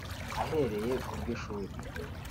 Ahereye k’ubw’ishuri